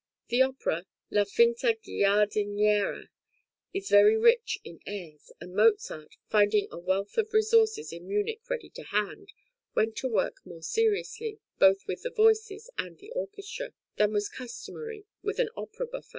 The opera "La Finta Giardiniera" is very rich in airs, and Mozart, finding a wealth of resources in Munich ready to hand, went to work more seriously, both with the voices and the orchestra, than was customary with an opera buffa.